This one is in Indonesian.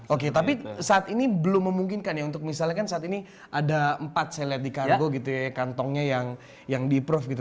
oke tapi saat ini belum memungkinkan ya untuk misalnya kan saat ini ada empat saya lihat di kargo gitu ya kantongnya yang di approve gitu